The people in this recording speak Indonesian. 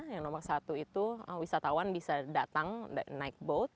yang nomor satu itu wisatawan bisa datang naik ke bawah